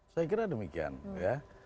saya kira demikian ya